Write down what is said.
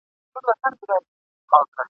د خپل بېچاره قام ..